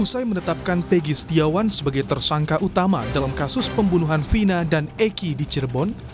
usai menetapkan teki setiawan sebagai tersangka utama dalam kasus pembunuhan vina dan eki di cirebon